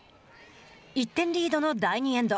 １点リードの第２エンド。